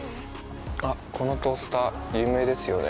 このトースター有名ですよね。